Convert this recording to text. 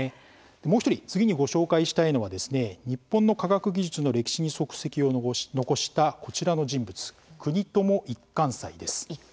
もう一人次にご紹介したいのはですね日本の科学技術の歴史に足跡を残したこちらの人物一貫斎ですか。